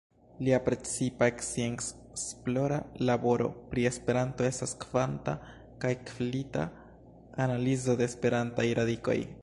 Lia precipa scienc-esplora laboro pri Esperanto estas kvanta kaj kvalita analizo de Esperantaj radikoj.